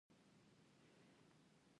یووخت د مارکسیزم، لیننزم،